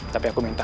tapi aku minta